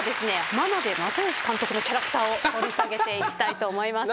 眞鍋政義監督のキャラクターを掘り下げていきたいと思います。